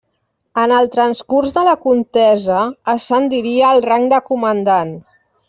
En el transcurs de la contesa ascendiria al rang de comandant.